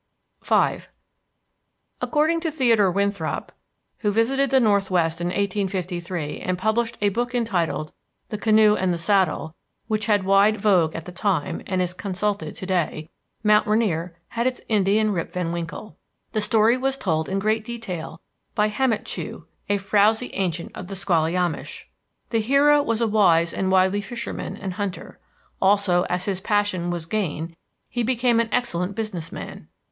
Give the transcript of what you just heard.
V According to Theodore Winthrop who visited the northwest in 1853 and published a book entitled "The Canoe and the Saddle," which had wide vogue at the time and is consulted to day, Mount Rainier had its Indian Rip Van Winkle. The story was told him in great detail by Hamitchou, "a frowsy ancient of the Squallyamish." The hero was a wise and wily fisherman and hunter. Also, as his passion was gain, he became an excellent business man.